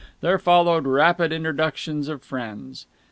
There followed rapid introductions of friends.